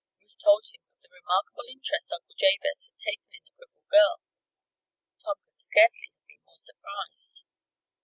Ruth told him of the remarkable interest Uncle Jabez had taken in the crippled girl. Tom could scarcely have been more surprised.